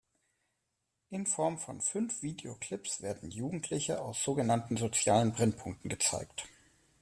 In Form von fünf Videoclips werden Jugendliche aus sogenannten sozialen Brennpunkten gezeigt.